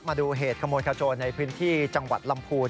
มาดูเหตุขโมยขโจรในพื้นที่จังหวัดลำพูน